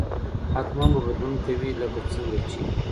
حتما به بدلون کوي لکه څنګه چې